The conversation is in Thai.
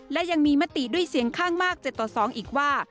และยังมีมติด้วยเสียงข้างมาก๗ต่อ๒อีกว่า